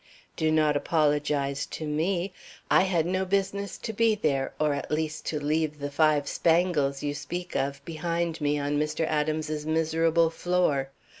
"Do not apologize to me. I had no business to be there, or, at least, to leave the five spangles you speak of, behind me on Mr. Adams's miserable floor.